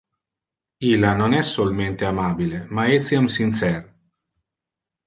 Illa non es solmente amabile, ma etiam sincer.